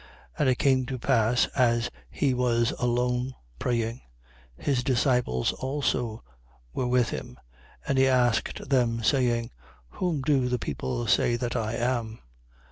9:18. And it came to pass, as he was alone praying, his disciples also were with him: and he asked them, saying: Whom do the people say that I am?